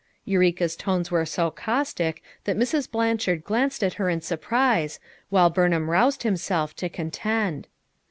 Eureka's tones were so caustic that Mrs. Blanchard glanced at her in surprise, while Burnham roused himself to contend.